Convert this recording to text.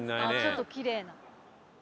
ちょっときれいな。